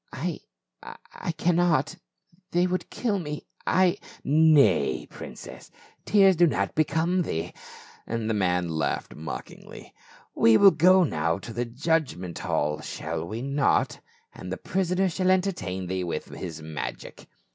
" I — I cannot. They would kill me — I —" "Nay, princess, tears do not become thee;" and the man laughed mockingly. " We will go now to the judgment hall, shall we not? And the prisoner shall entertain thee with his magic."